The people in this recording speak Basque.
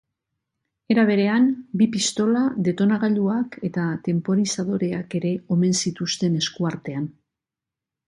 Era berean, bi pistola, detonagailuak eta tenporizadoreak ere omen zituzten eskuartean.